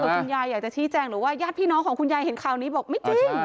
คุณยายอยากจะชี้แจงหรือว่าญาติพี่น้องของคุณยายเห็นข่าวนี้บอกไม่จริง